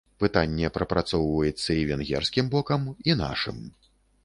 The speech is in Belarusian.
Пытанне прапрацоўваецца і венгерскім бокам, і нашым.